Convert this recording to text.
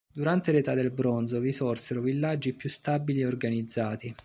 Durante l'età del bronzo, vi sorsero villaggi più stabili e organizzati.